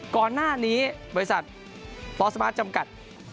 ก่อนหน้านี้บริษัทฟอร์สมาร์ทจำกัด